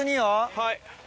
はい。